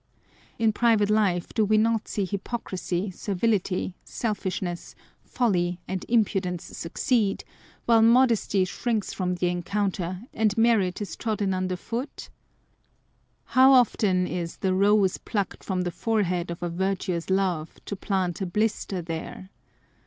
In private life do we not see hypocrisy, servility, selfishness, folly, and impudence succeed, while modesty shrinks from the encounter, and merit is trodden under foot ? How often is a the rose plucked from the forehead of a virtuous love to plant a blister there